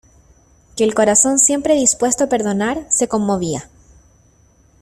que el corazón siempre dispuesto a perdonar, se conmovía.